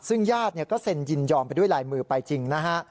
ซึ่งญาติก็เซ็นยินยอมไปด้วยลายมือไปจริงนะฮะ